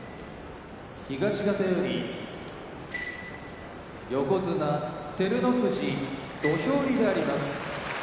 東方より、横綱照ノ富士土俵入りであります。